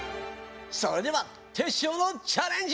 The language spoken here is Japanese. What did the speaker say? それではテッショウのチャレンジ！